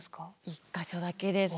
１か所だけです。